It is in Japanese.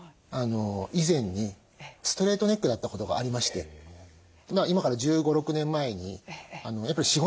以前にストレートネックだったことがありまして今から１５１６年前にやっぱり仕事に集中してですね